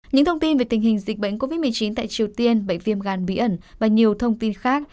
những thông tin về tình hình dịch bệnh covid một mươi chín tại triều tiên bệnh viêm gan bí ẩn và nhiều thông tin khác